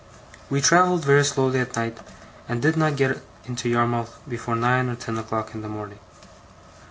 We travelled very slowly all night, and did not get into Yarmouth before nine or ten o'clock in the morning.